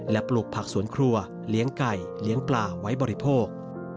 และปลูกผักสวนครัวเลี้ยงไก่เลี้ยงปลาไว้บริโภค